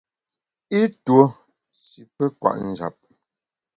I tuo shi pe kwet njap.